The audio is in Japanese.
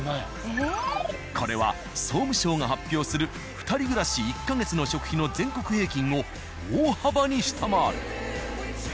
これは総務省が発表する２人暮らし１か月の食費の全国平均を大幅に下回る。